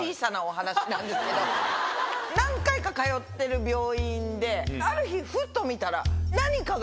何回か通ってる病院である日ふっと見たら。